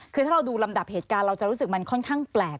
คือถ้าเราดูลำดับเหตุการณ์เราจะรู้สึกมันค่อนข้างแปลก